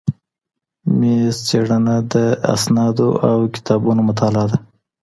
میز څېړنه د اسنادو او کتابونو مطالعه ده.